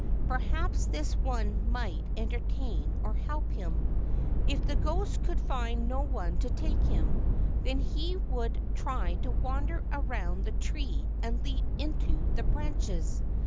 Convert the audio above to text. Perhaps this one might entertain or help him. If the ghost could find no one to take him, then he would try to wander around the tree and leap into the branches.